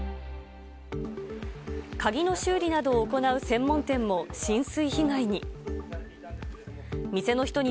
鍵の修理などを行う専門店も、浸水被害に。